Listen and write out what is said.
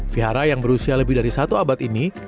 vihara yang berusia lebih dari satu abad ini